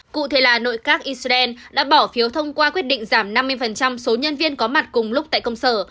cụ thể là nội các israel đã bỏ phiếu thông qua quyết định giảm năm mươi số nhân viên có mặt cùng lúc tại công sở